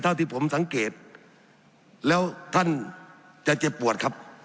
เท่าที่ผมสังเกตแล้วท่านจะเจ็บปวดครับ